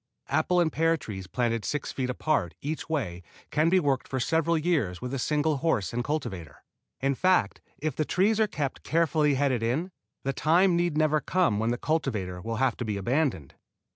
Apple and pear trees planted six feet apart each way can be worked for several years with a single horse and cultivator. In fact if the trees are kept carefully headed in, the time need never come when the cultivator will have to be abandoned.